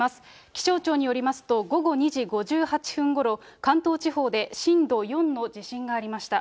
気象庁によりますと、午後２時５８分ごろ、関東地方で震度４の地震がありました。